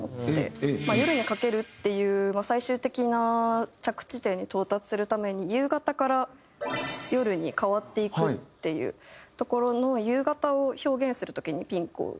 『夜に駆ける』っていう最終的な着地点に到達するために夕方から夜に変わっていくっていうところの夕方を表現する時にピンクを選んで。